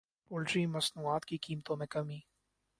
poultry مصنوعات کی قیمتوں میں کمی